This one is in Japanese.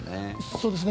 そうですね。